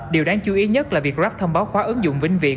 điều đáng chú ý nhất là việc ráp thông báo khóa ứng dụng vĩnh viễn